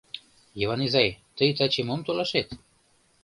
Йыван изай, тый таче мом толашет?